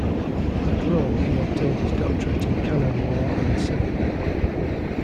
At Rome he obtained his doctorate in canon law and civil law.